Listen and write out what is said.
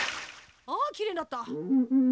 あきれいになった。